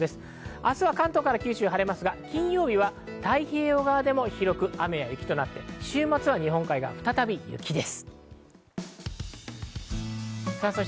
明日は関東から九州は晴れますが、金曜日は太平洋側でも広く雨や雪となって、週末は日本海側は再び雪です。